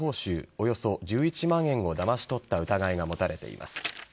およそ１１万円をだまし取った疑いが持たれています。